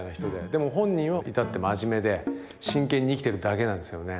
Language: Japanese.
でも本人は至って真面目で真剣に生きてるだけなんですよね。